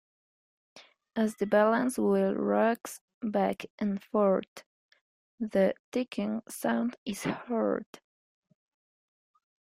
As the balance wheel rocks back and forth, the ticking sound is heard.